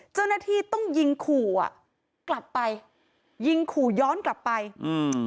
เจ้าหน้าที่ต้องยิงขู่อ่ะกลับไปยิงขู่ย้อนกลับไปอืม